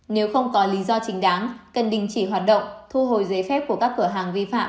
nếu không có lý do chính đáng cần đình chỉ hoạt động thu hồi giấy phép của các cửa hàng vi phạm